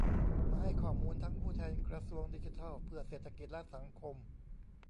มาให้ข้อมูลทั้งผู้แทนกระทรวงดิจิทัลเพื่อเศรษฐกิจและสังคม